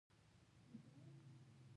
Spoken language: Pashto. د وریجو کښت ډیرو اوبو ته اړتیا لري.